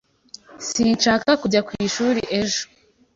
Sinshaka kujya ku ishuri ejo